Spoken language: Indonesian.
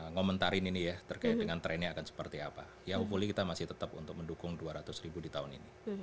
ngomentarin ini ya terkait dengan trennya akan seperti apa yang fully kita masih tetap untuk mendukung dua ratus ribu di tahun ini